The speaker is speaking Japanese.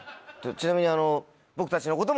ちなみに。